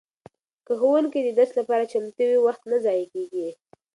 که ښوونکی د درس لپاره چمتو وي وخت نه ضایع کیږي.